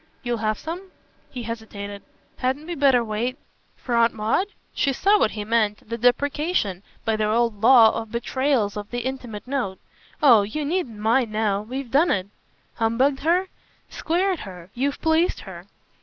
"You'll have some?" He hesitated. "Hadn't we better wait ?" "For Aunt Maud?" She saw what he meant the deprecation, by their old law, of betrayals of the intimate note. "Oh you needn't mind now. We've done it!" "Humbugged her?" "Squared her. You've pleased her."